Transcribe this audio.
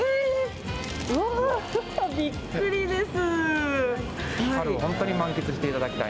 うわー、びっくりです。